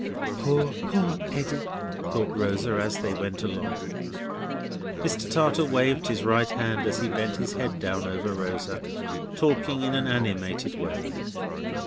"Poor, poor Eddy!" thought Rosa, as they went along. Mr. Tartar waved his right hand as he bent his head down over Rosa, talking in an animated way.